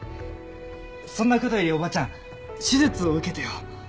そんな事よりおばちゃん手術を受けてよ。